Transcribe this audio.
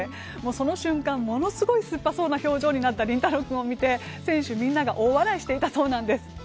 その瞬間、物すごい酸っぱそうな表情になった麟太郎君を見て、選手みんなが大笑いしていたそうなんです。